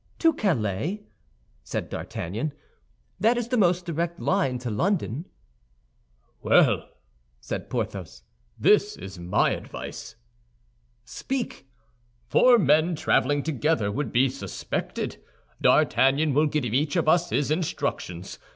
"To Calais," said D'Artagnan; "that is the most direct line to London." "Well," said Porthos, "this is my advice—" "Speak!" "Four men traveling together would be suspected. D'Artagnan will give each of us his instructions.